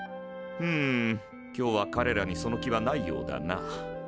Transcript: ふむ今日はかれらにその気はないようだな。